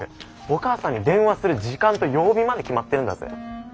お母さんに電話する時間と曜日まで決まってんだぜ。